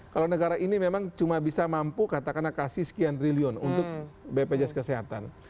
kalau negara ini memang cuma bisa mampu katakanlah kasih sekian triliun untuk bpjs kesehatan